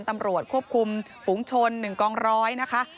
ตำรวจควบคุมฝุงชน๑กองร้อยนะคะ